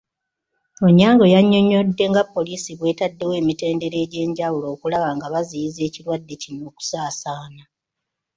Onyango yannyonnyodde nga poliisi bw'etadddewo emitendera egy'enjawulo okulaba nga baziyiza ekirwadde kino okusaasaana.